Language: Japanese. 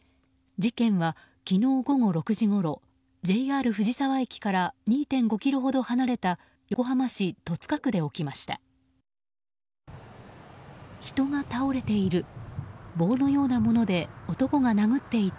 事件は、昨日午後６時ごろＪＲ藤沢駅から２．５ｋｍほど離れた横浜市戸塚区で起きました。